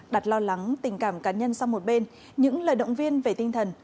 đặt lo lắng tình cảm cá nhân sang một bên những lời động viên về tinh thần